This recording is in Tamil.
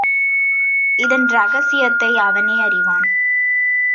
இதன் ரகசியத்தை அவனே அறிவான்.